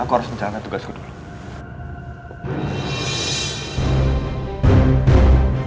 aku harus menjalankan tugasku dulu